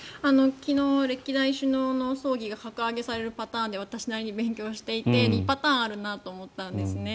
昨日、歴代首脳の葬儀が旗揚げされるパターンで私なりに勉強していて２パターンあるなと思ったんですね。